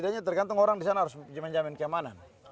hanya tergantung orang di sana harus jaman jaman keamanan